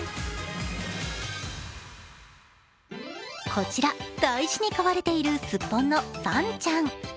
こちら、大事に飼われているスッポンのさんちゃん。